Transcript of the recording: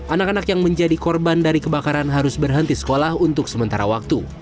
anak anak yang menjadi korban dari kebakaran harus berhenti sekolah untuk sementara waktu